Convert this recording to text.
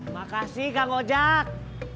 makasih kang gojak